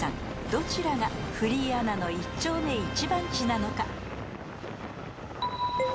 どちらがフリーアナの一丁目一番地なのか？